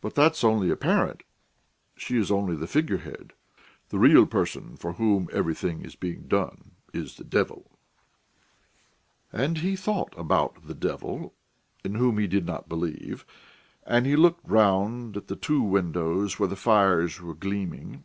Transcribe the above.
But that's only apparent: she is only the figurehead. The real person, for whom everything is being done, is the devil." And he thought about the devil, in whom he did not believe, and he looked round at the two windows where the fires were gleaming.